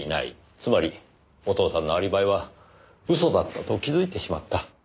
つまりお父さんのアリバイは嘘だったと気づいてしまった。